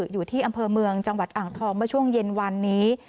อยู่ที่อำเภอเมืองจังหวัดอ่างทองเมื่อช่วงเย็นวันนี้